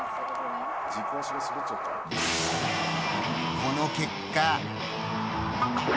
この結果。